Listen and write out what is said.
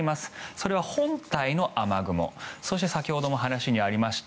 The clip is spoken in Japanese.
それは本体の雨雲そして先ほども話にありました